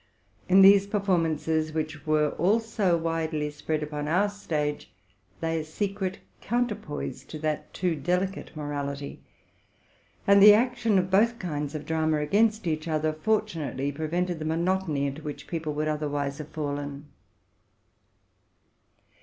In these performances, which were also widely spread upon our stage, lay a secret counterpoise to that too delicate morality ; and the action of both kinds of dramm against each other fortunately prevented the monotony into which people would otherwise have fallen.